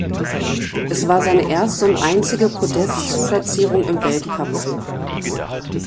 Es war seine erste und einzige Podestplatzierung im Weltcup.